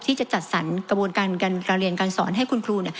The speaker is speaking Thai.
ที่จะจัดสรรกระบวนการการเรียนการสอนให้คุณครู